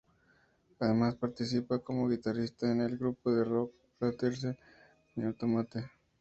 Además, participa como guitarrista en el grupo de rock platense Sr Tomate.